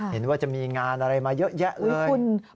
เห็นว่าจะมีงานอะไรมาเยอะแยะเลยคุณ